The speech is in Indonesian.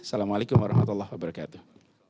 assalamualaikum warahmatullahi wabarakatuh